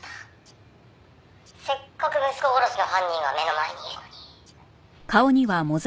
「せっかく息子殺しの犯人が目の前にいるのに」